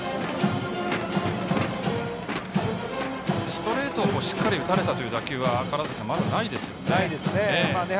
ストレートをしっかり打たれた打球はまだないですよね。